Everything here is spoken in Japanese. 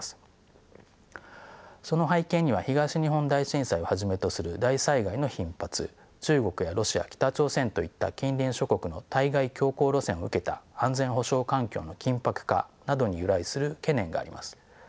その背景には東日本大震災をはじめとする大災害の頻発中国やロシア北朝鮮といった近隣諸国の対外強硬路線を受けた安全保障環境の緊迫化などに由来する懸念があります。